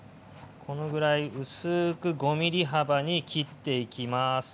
このぐらい薄く５ｍｍ幅に切っていきます。